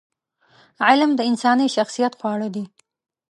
علم د انساني شخصیت خواړه دي.